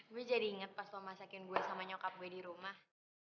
gue jadi inget pas mau masakin gue sama nyokap gue di rumah